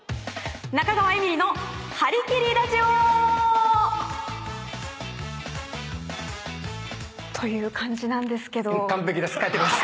中川絵美里の『ハリキリラジオ』！という感じなんですけど。